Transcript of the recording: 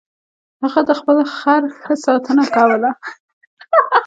هغه د خپل خر ښه ساتنه کوله.